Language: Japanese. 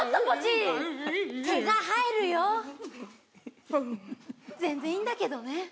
バウン全然いいんだけどね